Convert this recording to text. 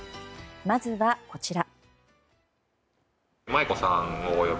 まずはこちら。